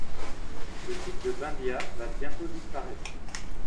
Le site de Bimbia va bientôt disparaitre.